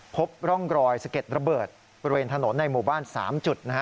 พบร่องรอยสะเก็ดระเบิดบริเวณถนนในหมู่บ้าน๓จุดนะฮะ